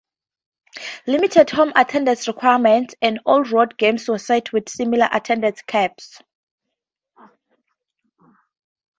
Limited home attendance requirements and all road games were set with similar attendance caps.